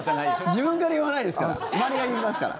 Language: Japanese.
自分から言わないですから周りが言いますから。